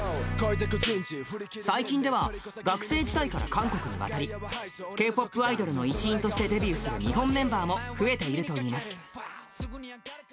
最近では、学生時代から韓国に渡り、Ｋ−ＰＯＰアイドルの一員としてデビューする日本メンバーも増えているといいます。